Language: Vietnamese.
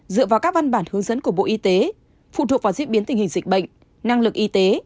dựa vào các văn bản hướng dẫn của bộ y tế phụ thuộc vào diễn biến tình hình dịch bệnh năng lực y tế